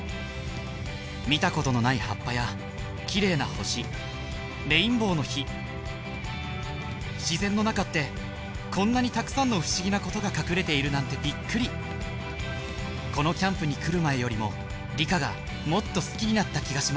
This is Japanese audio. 見たことのない葉っぱや綺麗な星レインボーの火自然の中ってこんなにたくさんの不思議なことが隠れているなんてびっくりこのキャンプに来る前よりも理科がもっと好きになった気がします